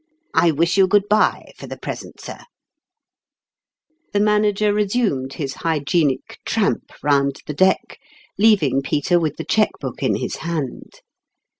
I'll wish you good by for the present, sir !" The Manager resumed his hygienic tramp 28 ^Tourmalin's $ime (Deques. round the deck, leaving Peter with the cheque book in his hand.